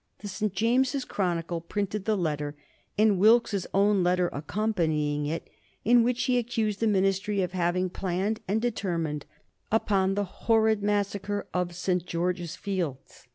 The St. James's Chronicle printed the letter, and Wilkes's own letter accompanying it, in which he accused the Ministry of having planned and determined upon the "horrid massacre of St. George's Fields."